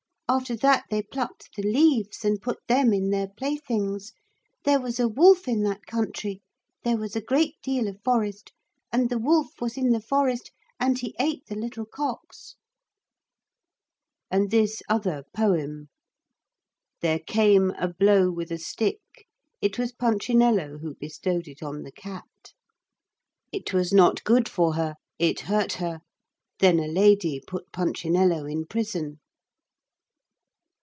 After that they plucked the leaves and put them in their playthings. There was a wolf in that country; there was a great deal of forest; and the wolf was in the forest; and he ate the little cocks." And this other poem:— "There came a blow with a stick. "It was Punchinello who bestowed it on the cat. "It was not good for her; it hurt her. "Then a lady put Punchinello in prison."